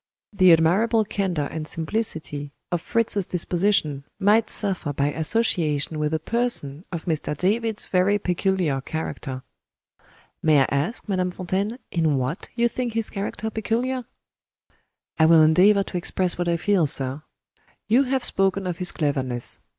The admirable candor and simplicity of Fritz's disposition might suffer by association with a person of Mr. David's very peculiar character." "May I ask, Madame Fontaine, in what you think his character peculiar?" "I will endeavor to express what I feel, sir. You have spoken of his cleverness.